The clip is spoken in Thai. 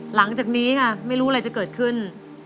หลังจากนี้ค่ะไม่รู้อะไรจะเกิดขึ้น